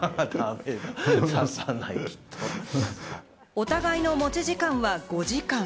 お互いの持ち時間は５時間。